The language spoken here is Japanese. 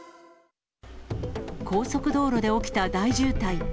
高速道路で起きた大渋滞。